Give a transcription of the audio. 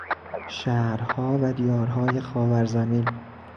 شهرها و دیارهای خاورزمین